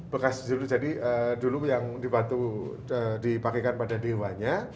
bekas dulu jadi dulu yang dipakai pada dewanya